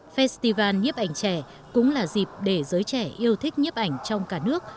festival nhếp ảnh trẻ cũng là dịp để giới trẻ yêu thích nhiếp ảnh trong cả nước